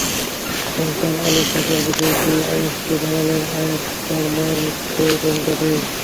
সন্তান Ali Saqr বিষয়টি আইএসকে জানালে আইআস তাঁর মায়ের মৃত্যুদণ্ড দেয়।